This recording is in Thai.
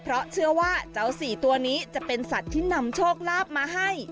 เพราะเชื่อว่าเจ้าสี่ตัวนี้จะเป็นสัตว์ที่นำโชคลาภมาให้